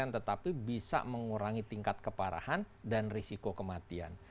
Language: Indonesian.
tetapi bisa mengurangi tingkat keparahan dan risiko kematian